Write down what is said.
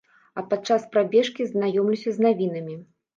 А падчас прабежкі знаёмлюся з навінамі.